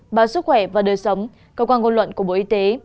báo sức khỏe và đời sống cơ quan ngôn luận của bộ y tế